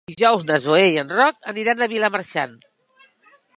Dijous na Zoè i en Roc aniran a Vilamarxant.